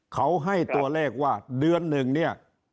เขาให้ตัวเลขว่าเดือนหนึ่งเนี่ย